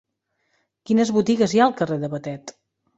Quines botigues hi ha al carrer de Batet?